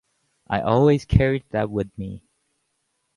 I always carried that with me.